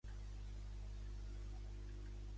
Un exemple d'eufonia és el poema "Some Sweet Day".